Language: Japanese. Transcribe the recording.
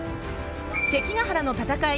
関ケ原の戦い